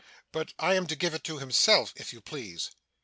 'But I am to give it to himself, if you please.